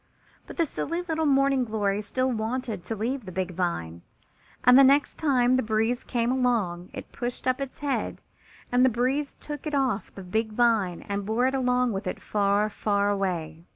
But the silly little Morning glory still wanted to leave the big vine, and the next time the breeze came along it pushed up its head and the breeze took it off the big vine and bore it along with it far, far away.